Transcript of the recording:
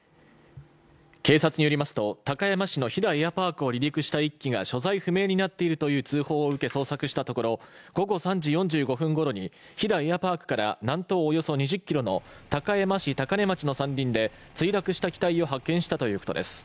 警察によりますと高山市の飛騨エアパークを離陸した１機が所在不明になっているという通報を受け、捜索したところ午後３時４５分ごろに飛騨エアパークから南東およそ２０ｋｍの高山市高根町の山林で墜落した機体を発見したということです。